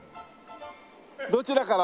どちらから？